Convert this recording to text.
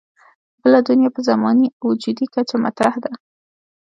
بله دنیا په زماني او وجودي کچه مطرح ده.